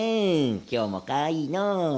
今日もかわいいのう。